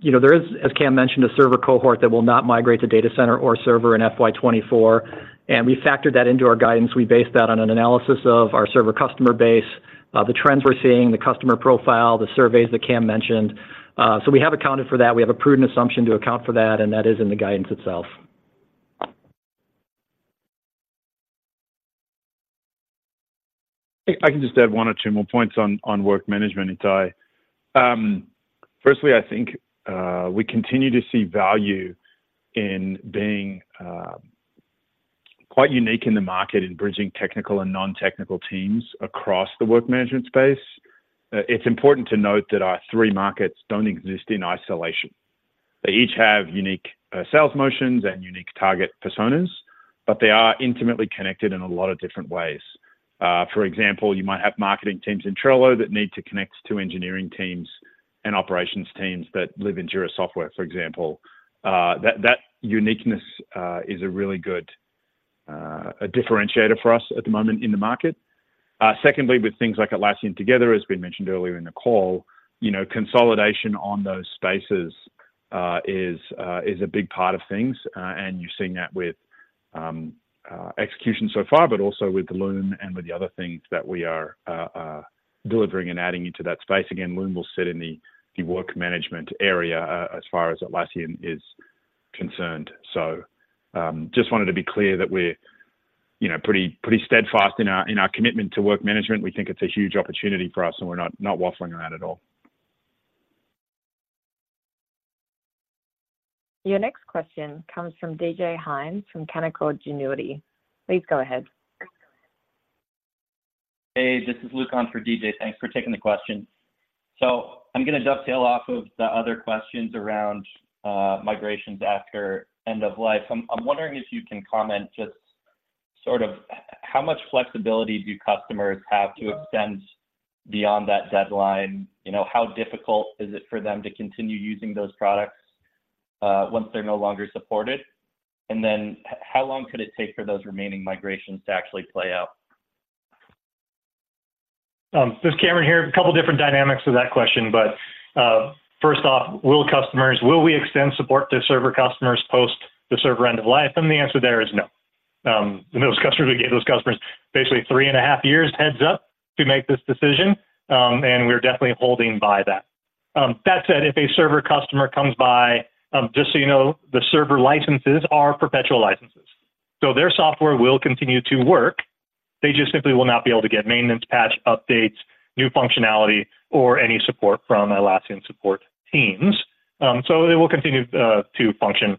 you know, there is, as Cam mentioned, a Server cohort that will not migrate to Data Center or Server in FY 2024, and we factored that into our guidance. We based that on an analysis of our Server customer base, the trends we're seeing, the customer profile, the surveys that Cam mentioned. So we have accounted for that. We have a prudent assumption to account for that, and that is in the guidance itself. If I can just add one or two more points on work management, Ittai. Firstly, I think we continue to see value in being quite unique in the market in bridging technical and non-technical teams across the work management space. It's important to note that our three markets don't exist in isolation. They each have unique sales motions and unique target personas, but they are intimately connected in a lot of different ways. For example, you might have marketing teams in Trello that need to connect to engineering teams and operations teams that live in Jira Software, for example. That uniqueness is a really good differentiator for us at the moment in the market. Secondly, with things like Atlassian Together, as we mentioned earlier in the call, you know, consolidation on those spaces is a big part of things, and you're seeing that with execution so far, but also with the Loom and with the other things that we are delivering and adding into that space. Again, Loom will sit in the work management area, as far as Atlassian is concerned. So, just wanted to be clear that we're, you know, pretty steadfast in our commitment to work management. We think it's a huge opportunity for us, and we're not waffling around at all. Your next question comes from D.J. Hynes from Canaccord Genuity. Please go ahead. Hey, this is Luke on for D.J. Thanks for taking the question. So I'm gonna dovetail off of the other questions around migrations after end of life. I'm wondering if you can comment, just sort of how much flexibility do customers have to extend beyond that deadline? You know, how difficult is it for them to continue using those products once they're no longer supported? And then how long could it take for those remaining migrations to actually play out? This is Cameron here. A couple different dynamics to that question, but first off, will we extend support to Server customers post the Server end of life? And the answer there is no. Those customers, we gave those customers basically three and a half years heads up to make this decision, and we're definitely holding by that. That said, if a Server customer comes by, just so you know, the Server licenses are perpetual licenses, so their software will continue to work. They just simply will not be able to get maintenance, patch updates, new functionality, or any support from Atlassian support teams. So they will continue to function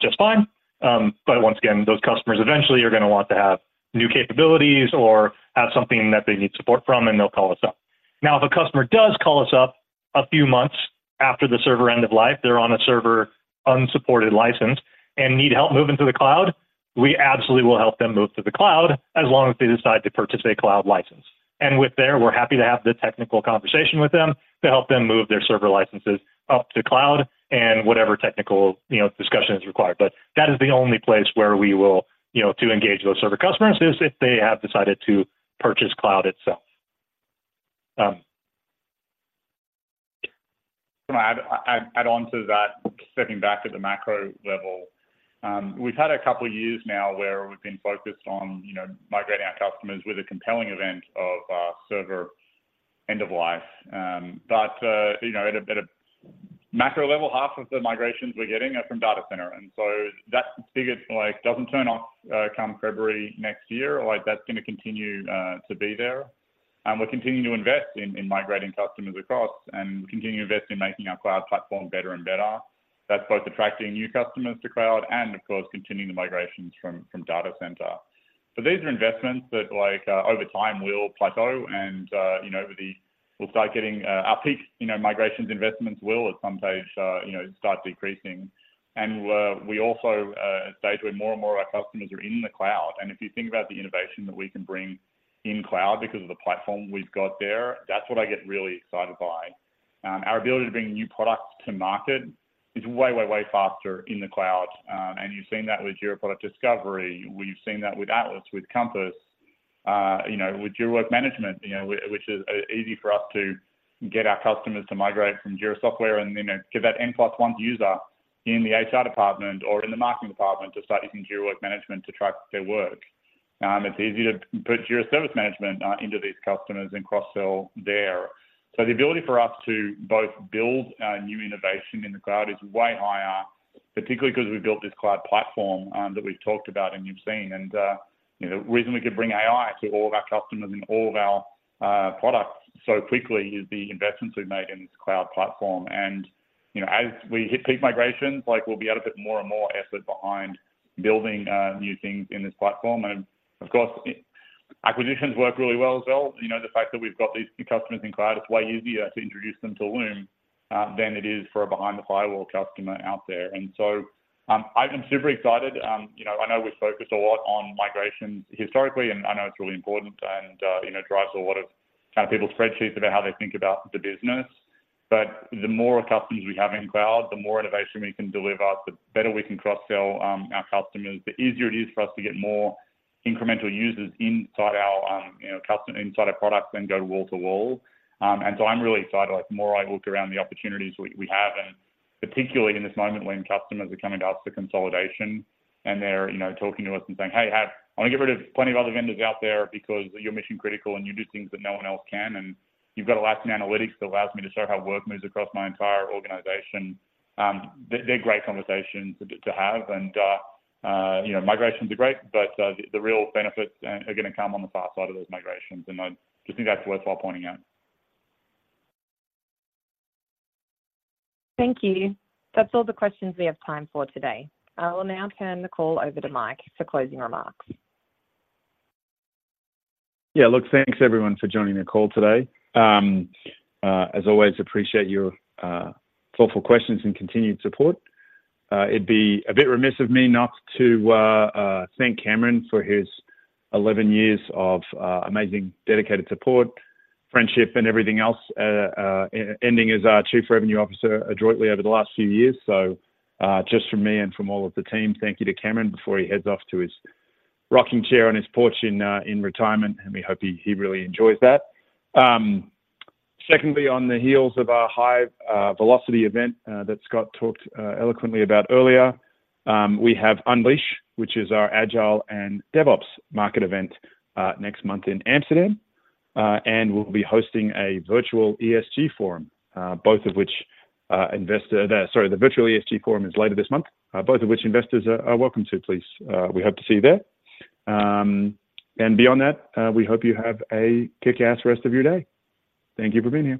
just fine. But once again, those customers eventually are gonna want to have new capabilities or have something that they need support from, and they'll call us up. Now, if a customer does call us up a few months after the Server end of life, they're on a Server unsupported license and need help moving to the cloud, we absolutely will help them move to the cloud as long as they decide to purchase a cloud license. And with there, we're happy to have the technical conversation with them to help them move their Server licenses up to cloud and whatever technical, you know, discussion is required. But that is the only place where we will, you know, to engage those Server customers, is if they have decided to purchase cloud itself. Can I add on to that? Stepping back at the macro level, we've had a couple of years now where we've been focused on, you know, migrating our customers with a compelling event of Server end of life. But you know, at a macro level, half of the migrations we're getting are from Data Center, and so that spigot, like, doesn't turn off come February next year. Like, that's gonna continue to be there. And we're continuing to invest in migrating customers across and continue to invest in making our Cloud platform better and better. That's both attracting new customers to Cloud and, of course, continuing the migrations from Data Center. So these are investments that like, over time will plateau and, you know, we'll start getting our peak, you know, migrations investments will at some stage, you know, start decreasing. And we also stage where more and more of our customers are in the cloud, and if you think about the innovation that we can bring in cloud because of the platform we've got there, that's what I get really excited by. Our ability to bring new products to market is way, way, way faster in the cloud, and you've seen that with Jira Product Discovery, we've seen that with Atlas, with Compass, you know, with Jira Work Management, you know, which is easy for us to get our customers to migrate from Jira Software and, you know, get that N plus one user in the HR department or in the marketing department to start using Jira Work Management to track their work. It's easy to put Jira Service Management into these customers and cross-sell there. So the ability for us to both build new innovation in the cloud is way higher, particularly because we built this cloud platform that we've talked about and you've seen. You know, the reason we could bring AI to all of our customers and all of our products so quickly is the investments we've made in this cloud platform. You know, as we hit peak migrations, we'll be able to put more and more effort behind building new things in this platform. Of course, acquisitions work really well as well. You know, the fact that we've got these customers in cloud, it's way easier to introduce them to Loom than it is for a behind the firewall customer out there. I'm super excited. You know, I know we've focused a lot on migrations historically, and I know it's really important and you know, drives a lot of kind of people's spreadsheets about how they think about the business. But the more customers we have in Cloud, the more innovation we can deliver, the better we can cross-sell our customers, the easier it is for us to get more incremental users inside our, you know, customer, inside our products than go wall to wall. And so I'm really excited, like, the more I look around the opportunities we have, and particularly in this moment when customers are coming to us for consolidation and they're, you know, talking to us and saying, "Hey, I wanna get rid of plenty of other vendors out there because you're mission-critical, and you do things that no one else can, and you've got Atlassian Analytics that allows me to see how work moves across my entire organization." They're great conversations to have. You know, migrations are great, but the real benefits are gonna come on the far side of those migrations, and I just think that's worthwhile pointing out. Thank you. That's all the questions we have time for today. I will now turn the call over to Mike for closing remarks. Yeah, look, thanks, everyone, for joining the call today. As always, appreciate your thoughtful questions and continued support. It'd be a bit remiss of me not to thank Cameron for his 11 years of amazing dedicated support, friendship, and everything else, ending as our Chief Revenue Officer adroitly over the last few years. So, just from me and from all of the team, thank you to Cameron before he heads off to his rocking chair on his porch in retirement, and we hope he really enjoys that. Secondly, on the heels of our High Velocity event, that Scott talked eloquently about earlier, we have Unleash, which is our Agile and DevOps market event, next month in Amsterdam. And we'll be hosting a virtual ESG forum, both of which. Sorry, the virtual ESG forum is later this month, both of which investors are welcome to. Please, we hope to see you there. Beyond that, we hope you have a kick-ass rest of your day. Thank you for being here.